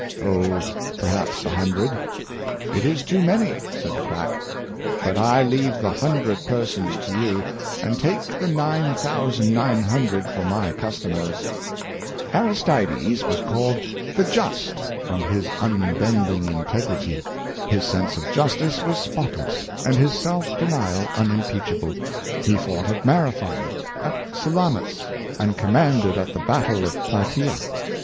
" Oh, perhaps a hundred !"" It is too many," said the quack; "but I leave the hundred persons to you, and take the nine thousand and nine hundred for my customers !" Aristides was called "The Just" from his unbending integrity. His sense of justice was spotless, and his self denial unimpeachable. He fought at Marathon, at Salamis, and commanded at the battle of Pla^ea.